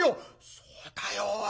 「そうだよおい。